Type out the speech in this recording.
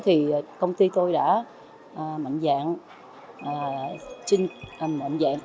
thì công ty tôi đã